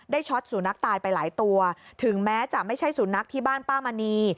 ช็อตสุนัขตายไปหลายตัวถึงแม้จะไม่ใช่สุนัขที่บ้านป้ามณี